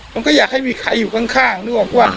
มันก็อยากให้มีใครอยู่ข้างนึกออกว่า